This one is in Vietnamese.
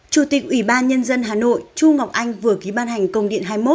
chủ tịch ủy ban nhân dân hà nội chu ngọc anh vừa ký ban hành công điện hai mươi một